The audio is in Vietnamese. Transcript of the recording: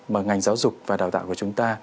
mà ngành giáo dục và đào tạo của chúng ta